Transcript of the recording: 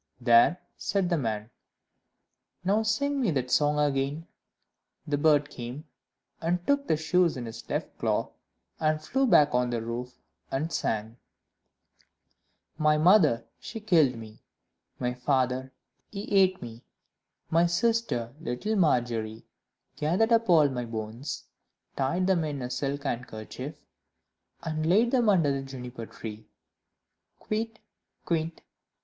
"There," said the man, "now sing me that song again." Then the bird came and took the shoes in his left claw and flew back on the roof, and sang "My mother, she killed me; My father, he ate me; My sister, little Margery, Gathered up all my bones, Tied them in a silk handkerchief, And laid them under the Juniper tree: Kywitt! Kywitt!